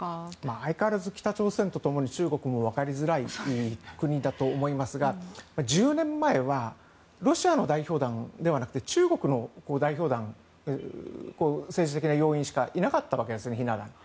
相変わらず北朝鮮とともに中国もわかりづらい国だと思いますが、１０年前はロシアの代表団ではなくて中国の代表団政治的な要員しかいなかったわけです、ひな壇に。